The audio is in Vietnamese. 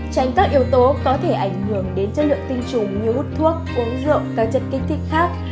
tránh các yếu tố có thể ảnh hưởng đến chất lượng tinh trùng như hút thuốc uống rượu các chất kích thích khác